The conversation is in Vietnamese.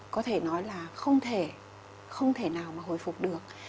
có thể nói là không thể nào mà hồi phục được